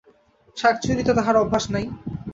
শাক-চুরি তো তাঁহার অভ্যাস নাই।